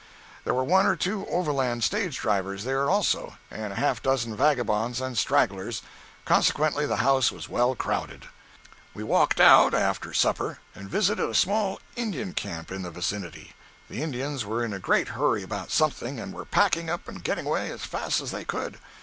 There were one or two Overland stage drivers there, also, and half a dozen vagabonds and stragglers; consequently the house was well crowded. We walked out, after supper, and visited a small Indian camp in the vicinity. The Indians were in a great hurry about something, and were packing up and getting away as fast as they could.